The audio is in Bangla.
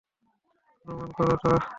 অনুমান কর তো।